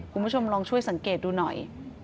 คุณผู้ชมลองช่วยสังเกตดูหน่อย